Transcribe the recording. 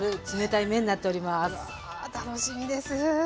うわ楽しみです。